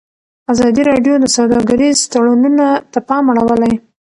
ازادي راډیو د سوداګریز تړونونه ته پام اړولی.